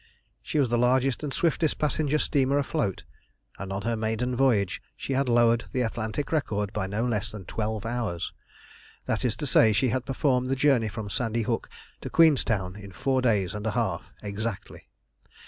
She was the largest and swiftest passenger steamer afloat, and on her maiden voyage she had lowered the Atlantic record by no less than twelve hours; that is to say, she had performed the journey from Sandy Hook to Queenstown in four days and a half exactly.